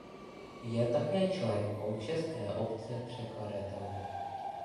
Je také členkou české Obce překladatelů.